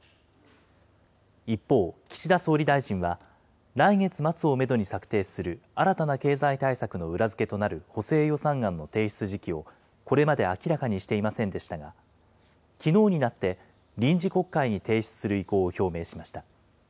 一方、岸田総理大臣は、来月末をメドに策定する新たな経済対策の裏付けとなる補正予算案の提出時期をこれまで明らかにしていませんでしたが、きのうになって、臨時国会に提出する意向を表明しました。